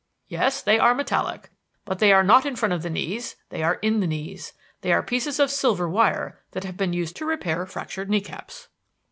"Yes, they are metallic. But they are not in front of the knees; they are in the knees. They are pieces of silver wire which have been used to repair fractured kneecaps."